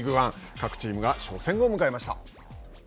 各チームが初戦を迎えました。